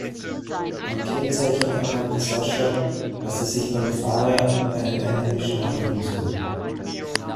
Am Kennzeichen erkannte Sascha, dass es sich beim Fahrer um einen einheimischen handeln musste.